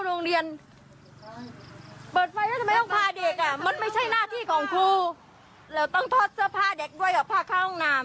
แล้วไปเปิดไฟนี่ทำไมต้องพาเด็กไปเปิดด้วยอ่ะ